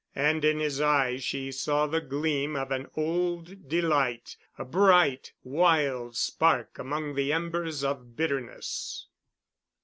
And in his eyes she saw the gleam of an old delight, a bright, wild spark among the embers of bitterness.